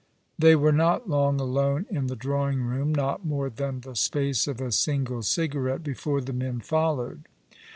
They were not long alone in the drawing room, not moro than the space of a single cigarette, before the men followed.